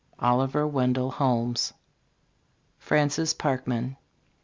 Oliver Wendell Holmes. FRANCIS PARKMAN.